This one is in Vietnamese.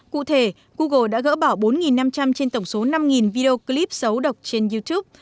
cụ thể google đã gỡ bỏ bốn năm trăm linh trên tổng số năm video clip xấu độc trên youtube